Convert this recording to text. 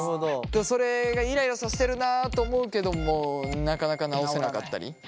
でもそれがイライラさせてるなと思うけどもなかなか直せなかったり。